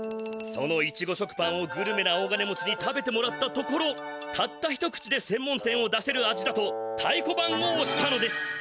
そのイチゴ食パンをグルメな大金持ちに食べてもらったところたった一口でせんもん店を出せる味だとたいこばんをおしたのです。